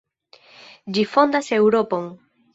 Ĝi fondas Eŭropon.